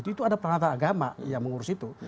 itu ada perangkat agama yang mengurus itu